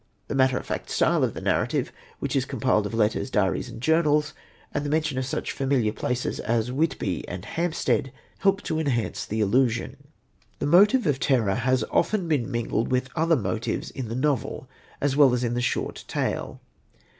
The matter of fact style of the narrative, which is compiled of letters, diaries and journals, and the mention of such familiar places as Whitby and Hampstead, help to enhance the illusion. The motive of terror has often been mingled with other motives in the novel as well as in the short tale.